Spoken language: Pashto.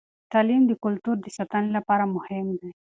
تعلیم د کلتور د ساتنې لپاره مهم دی.